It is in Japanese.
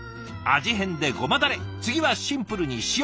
味変でごまだれ次はシンプルに塩。